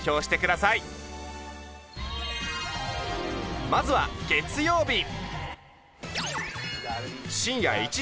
ぜひまずは月曜日。